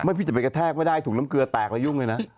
พี่จะไปกระแทกไม่ได้ถุงน้ำเกลือแตกแล้วยุ่งเลยนะ